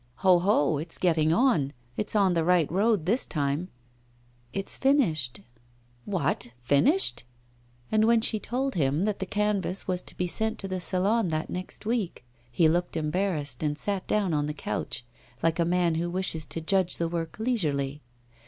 'Ho, ho! it's getting on; it's on the right road this time.' 'It's finished.' 'What! finished?' And when she told him that the canvas was to be sent to the Salon that next week, he looked embarrassed, and sat down on the couch, like a man who wishes to judge the work leisurely.